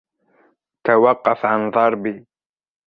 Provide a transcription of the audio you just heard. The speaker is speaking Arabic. توقف عن ضربي.